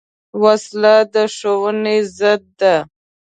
وسله د ښوونې ضد ده